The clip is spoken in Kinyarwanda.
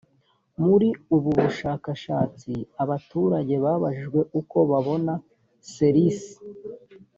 muri ubu bushakashatsi abaturage babajijwe uko babona ser isi